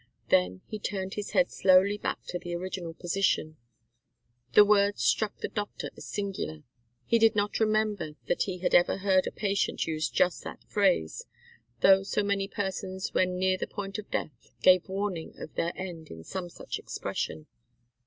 Then he turned his head slowly back to the original position. The words struck the doctor as singular. He did not remember that he had ever heard a patient use just that phrase, though so many persons when near the point of death give warning of their end in some such expression.